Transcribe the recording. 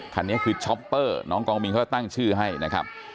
คันนี้คือช็อปเปอร์น้องกองบินเขาก็ตั้งชื่อให้นะครับ